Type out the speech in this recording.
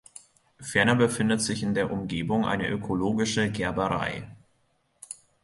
Ferner befindet sich in der Umgebung eine ökologische Gerberei.